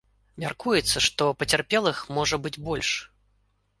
Мяркуецца, што пацярпелых можа быць больш.